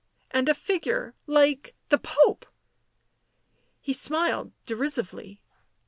And a figure like — the Pope?" He smiled derisively.